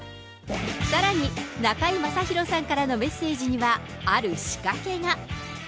さらに、中居正広さんからのメッセージには、ある仕掛けが。